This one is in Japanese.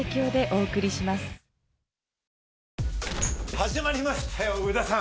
始まりましたよ上田さん！